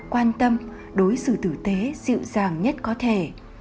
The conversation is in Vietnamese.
quan tâm đối xử tử tế dịu dàng nhất có thể